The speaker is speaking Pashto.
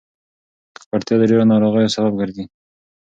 ککړتیا د ډېرو ناروغیو سبب ګرځي.